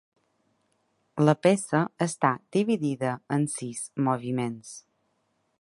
La peça està dividida en sis moviments.